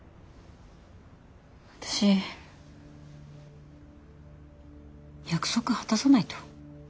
私約束果たさないと。